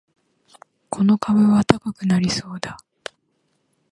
この株は高くなりそうだ